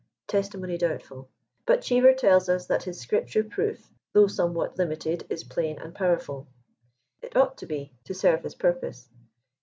TESTIMONY DOUBTFUL. But Cheever tells us that his scripture proof, " though some what limited, is plain and powerful." It ought to be, to serve his purpose.